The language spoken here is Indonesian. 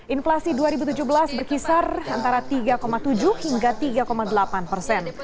inflasi dua ribu tujuh belas berkisar antara tiga tujuh hingga tiga delapan persen